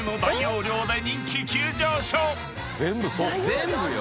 全部よ。